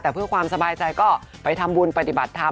แต่เพื่อความสบายใจก็ไปทำบุญปฏิบัติธรรม